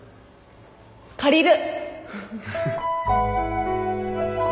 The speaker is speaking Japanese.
借りる。